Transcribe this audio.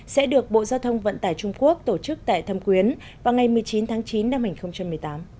sẽ được bộ giao thông vận tải trung quốc tổ chức tại thâm quyến vào ngày một mươi chín tháng chín năm hai nghìn một mươi tám